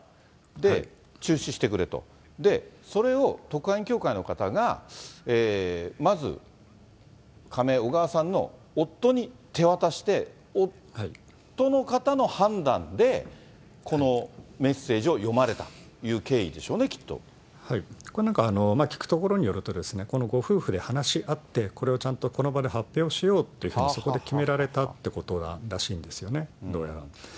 で、中止してくれと、で、それを特派員協会の方が、まず仮名、小川さんの夫に手渡して、夫の方の判断で、このメッセージを読まれたという経緯でしょうね、なんか、聞くところによると、ご夫婦で話し合って、これをちゃんとこの場で発表しようっていうふうに、そこで決められたってことらしいんですよね、どうやら。